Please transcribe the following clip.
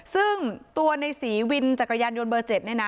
ซึ่งตัวในศรีวินจักรยานยนต์เบอร์๗เนี่ยนะ